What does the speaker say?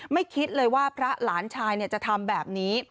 คิดเลยว่าพระหลานชายจะทำแบบนี้